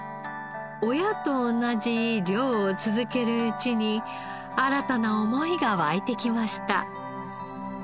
親と同じ漁を続けるうちに新たな思いが湧いてきました。